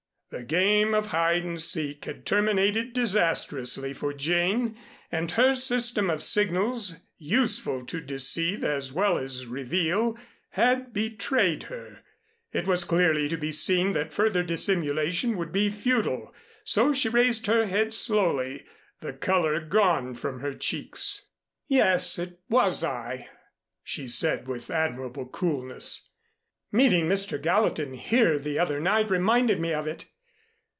The game of hide and seek had terminated disastrously for Jane, and her system of signals, useful to deceive as well as reveal had betrayed her. It was clearly to be seen that further dissimulation would be futile, so she raised her head slowly, the color gone from her cheeks. "Yes, it was I," she said with admirable coolness. "Meeting Mr. Gallatin here the other night reminded me of it.